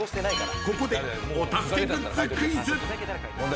［ここでお助けグッズ］問題